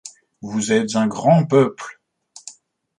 Vous êtes un grand peuple.